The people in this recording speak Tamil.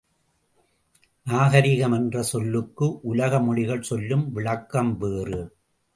நாகரீகம் என்ற சொல்லுக்கு உலக மொழிகள் சொல்லும் விளக்கம் வேறு.